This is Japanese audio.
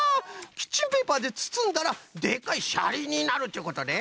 キッチンペーパーでつつんだらでっかいシャリになるっちゅうことね。